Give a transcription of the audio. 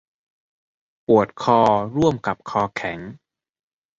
ปวดคอร่วมกับคอแข็ง